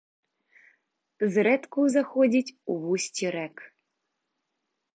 Зрэдку заходзіць у вусці рэк.